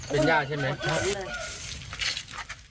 เป็นญาติใช่ไหม